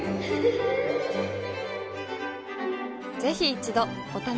ぜひ一度お試しを。